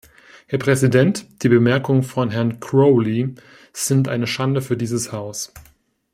Herr Präsident, die Bemerkungen von Herrn Crowley sind eine Schande für dieses Haus!